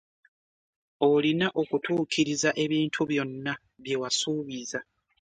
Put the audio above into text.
Olina okutukkiriza ebintu byonna bye wasubiza.